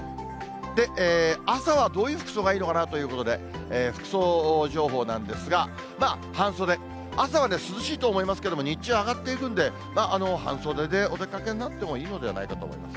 で、朝はどういう服装がいいのかなということで、服装情報なんですが、半袖、朝は涼しいと思いますけれども、日中上がっていくんで、半袖でお出かけになってもいいのではないかと思います。